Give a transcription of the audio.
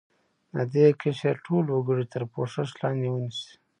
د دې قشر ټول وګړي تر پوښښ لاندې ونیسي.